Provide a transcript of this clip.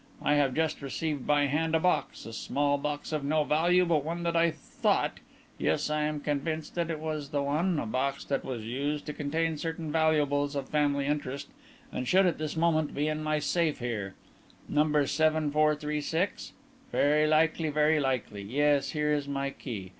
I have just received by hand a box, a small box of no value but one that I thought, yes, I am convinced that it was the one, a box that was used to contain certain valuables of family interest which should at this moment be in my safe here. No. 7436? Very likely, very likely. Yes, here is my key.